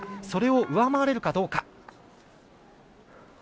それを上回れるかどうか。